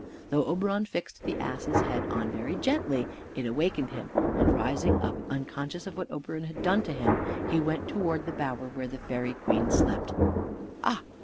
Though Oberon fixed the ass's head on very gently, it awakened him, and rising up, unconscious of what Oberon had done to him, he went towards the bower where the fairy queen slept. "Ah!